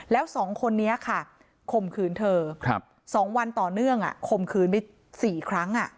แล้ว๒คนนี้ค่ะข่มขืนเธอ๒วันต่อเนื่องข่มขืนไป๔ครั้ง